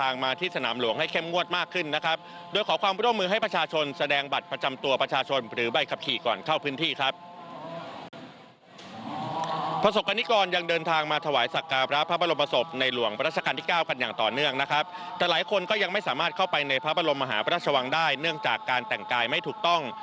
เนื่องจากการแต่งกายไม่ถูกต้อง